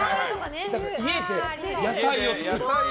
だから、家で野菜を作る。